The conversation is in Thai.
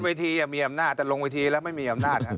เวทีมีอำนาจแต่ลงเวทีแล้วไม่มีอำนาจ